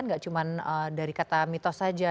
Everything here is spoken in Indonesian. nggak cuma dari kata mitos saja